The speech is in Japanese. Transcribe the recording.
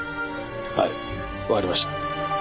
はいわかりました。